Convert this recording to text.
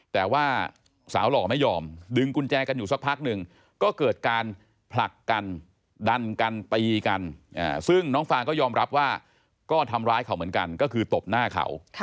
แต่ว่าสาวหล่อไม่ยอมดึงกุญแจกันอยู่สักพักหนึ่งก็เกิดการผลักกันดันกันตีกันซึ่งน้องฟางก็ยอมรับว่าก็ทำร้ายเขาเหมือนกันก็คือตบหน้าเขา